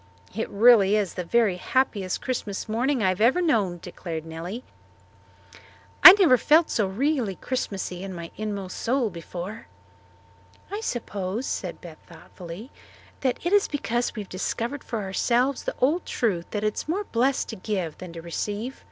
"This is really the very happiest Christmas morning I have ever known," declared Nellie. "I never felt so really Christmassy in my inmost soul before." "I suppose," said Beth thoughtfully, "that it is because we have discovered for ourselves the old truth that it is more blessed to give than to receive.